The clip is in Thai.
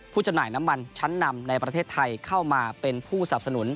จำหน่ายน้ำมันชั้นนำในประเทศไทยเข้ามาเป็นผู้สับสนุน